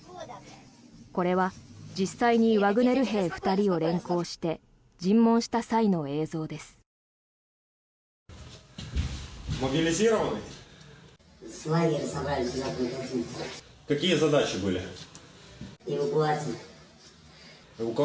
これは実際にワグネル兵２人を連行して尋問した際の映像です。